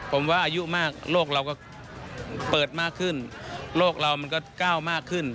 ผมว่าอายุมากโลกเราก็เปิดมากขึ้นโลกเรามันก็ก้าวมากขึ้น